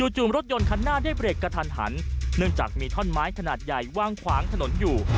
จุ่มรถยนต์คันหน้าได้เบรกกระทันหันเนื่องจากมีท่อนไม้ขนาดใหญ่วางขวางถนนอยู่